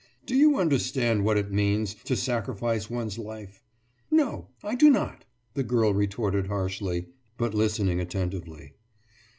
Do you understand what it means, to sacrifice one's life?« »No, I do not,« the girl retorted harshly, but listening attentively.